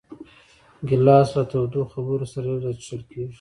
ګیلاس له تودو خبرو سره یو ځای څښل کېږي.